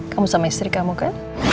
kamu sama istri kamu kan